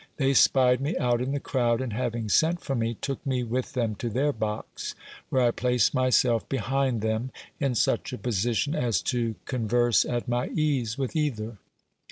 They spied me out in the crowd, and having sent for me, took me with them to their box, where I placed myself behind them, in such a position as to converse at my ease with either.